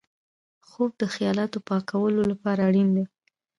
خوب د خیالاتو پاکولو لپاره اړین دی